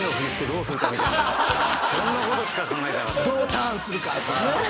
どうターンするかとかね。